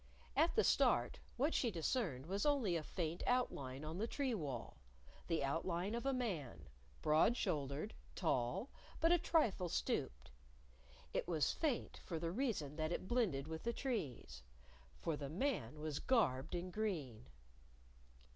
At the start, what she discerned was only a faint outline on the tree wall the outline of a man, broad shouldered, tall, but a trifle stooped. It was faint for the reason that it blended with the trees. For the man was garbed in green.